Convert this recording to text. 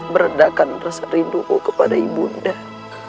beredakan rasa rinduku kepada ibu undah